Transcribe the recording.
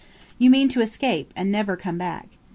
You mean to escape and never come back.